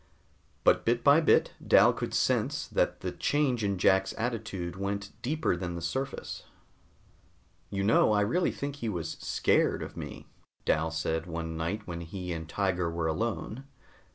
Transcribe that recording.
But bit by bit Dal could sense that the change in Jack's attitude went deeper than the surface. "You know, I really think he was scared of me," Dal said one night when he and Tiger were alone.